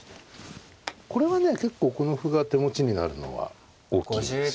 これはね結構この歩が手持ちになるのは大きいです。